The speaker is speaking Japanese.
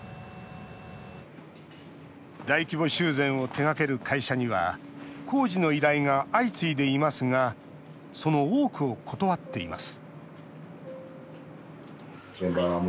大規模修繕を手がける会社には工事の依頼が相次いでいますがその多くを断っています